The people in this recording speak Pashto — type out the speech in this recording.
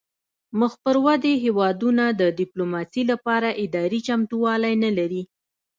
مخ پر ودې هیوادونه د ډیپلوماسي لپاره اداري چمتووالی نلري